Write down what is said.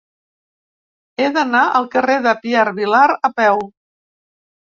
He d'anar al carrer de Pierre Vilar a peu.